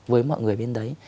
với mọi người bên đấy